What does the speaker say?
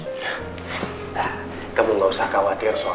nah kamu nggak usah khawatir soal masalah itu